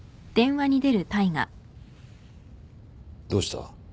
どうした？